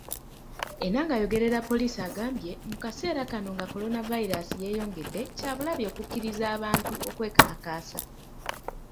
Enanga ayogerera Poliisi agambye mu kaseera kano nga Kolonavayiraasi yeeyongedde, kya bulabe okukkiriza abantu okwekalakaasa.